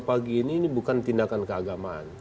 pagi ini bukan tindakan keagamaan